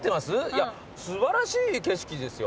いや素晴らしい景色ですよ？